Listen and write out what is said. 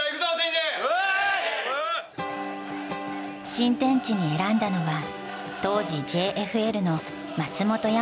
新天地に選んだのは当時ＪＦＬの松本山雅。